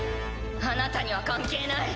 あなたには関係ない。